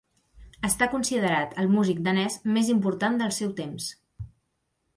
Està considerat el músic danès més important del seu temps.